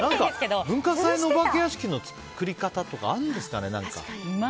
文化祭のお化け屋敷の作り方とかあるんですかね。